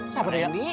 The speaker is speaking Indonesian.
siapa deh yang di